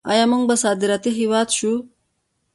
آیا موږ به صادراتي هیواد شو؟